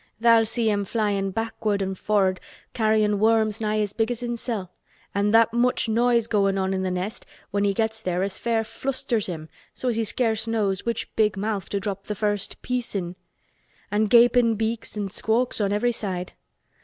Tha'll see him flyin' backward an' for'ard carryin' worms nigh as big as himsel' an' that much noise goin' on in th' nest when he gets there as fair flusters him so as he scarce knows which big mouth to drop th' first piece in. An' gapin' beaks an' squawks on every side.